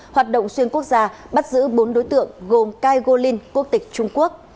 hoạt động xuyên quốc gia bắt giữ bốn đối tượng gồm cai gô linh quốc tịch trung quốc